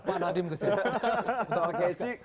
pak nadiem ke sini